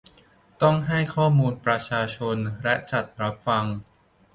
ต้องให้ข้อมูลประชาชนและจัดรับฟัง